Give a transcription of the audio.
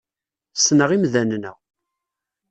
Ssneɣ imdanen-a.